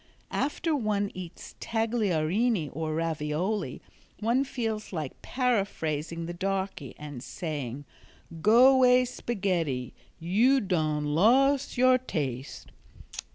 After one eats tagliarini or ravioli one feels like paraphrasing the darkey and saying, "go way spaghetti, yo done los' yo tase."